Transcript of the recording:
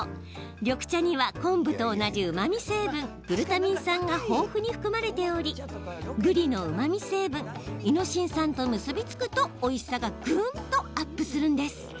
緑茶には、昆布と同じうまみ成分グルタミン酸が豊富に含まれておりぶりのうまみ成分イノシン酸と結び付くと、おいしさがぐんとアップするんです。